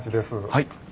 はい。